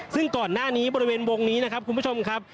ซึ่งก่อนหน้านี้บริเวณวงนี้นะครับคุณผู้ชมครับ